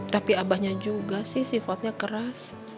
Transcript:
tapi abahnya juga sih sifatnya keras